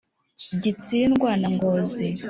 gitsindwa na ngozi!